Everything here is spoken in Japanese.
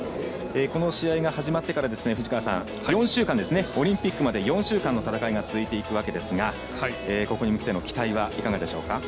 この試合が始まってからオリンピックまで４週間の戦いが続いていきますがここに向けての期待はいかがでしょうか。